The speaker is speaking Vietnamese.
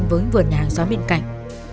với vườn nhà hàng xóm bên cạnh